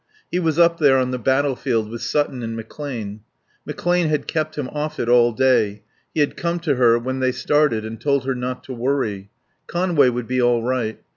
He was up there on the battlefield, with Sutton and McClane. McClane had kept him off it all day; he had come to her when they started and told her not to worry. Conway would be all right.